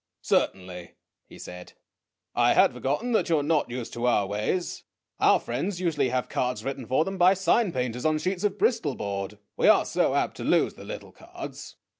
" Certainly," he said; "I had forgotten that you are not used to our ways. Our friends usually have cards written for them by sign painters on sheets of bristol board. We are so apt to lose the little cards."